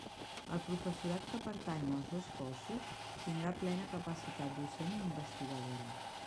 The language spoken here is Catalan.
El professorat que pertanya als dos cossos tindrà plena capacitat docent i investigadora.